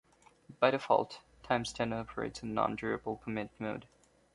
By default, TimesTen operates in non-durable commit mode.